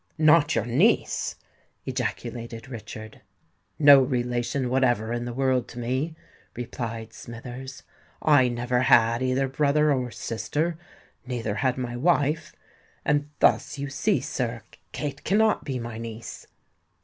"Not your niece!" ejaculated Richard. "No relation whatever in the world to me," replied Smithers. "I never had either brother or sister; neither had my wife: and thus you see, sir, Kate cannot be my niece."